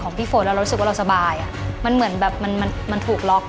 ของพี่โฟนธนาสุรทร